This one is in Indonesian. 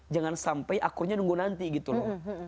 jangan sampai akurnya nunggu nanti gitu loh